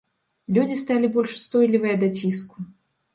Людзі сталі больш устойлівыя да ціску.